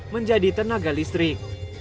menjadi tenaga listrik